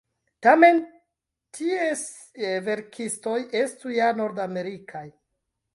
Tamen tiesj verkistoj estus ja nordamerikaj.